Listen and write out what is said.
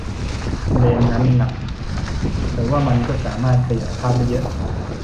เลนส์นั้นหนักแต่ว่ามันก็สามารถขยายภาพได้เยอะ